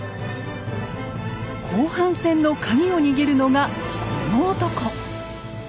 後半戦のカギを握るのがこの男。